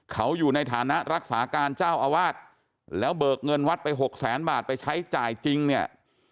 เขาอยู่ในฐานะรักษาการเจ้าอาวาสแล้วเบิกเงินวัดไปหกแสนบาทไปใช้จ่ายจริงเนี่ย